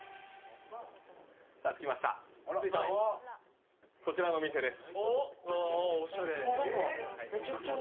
着きました、こちらのお店です。